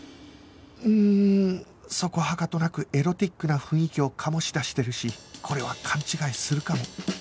うーんそこはかとなくエロチックな雰囲気を醸し出してるしこれは勘違いするかも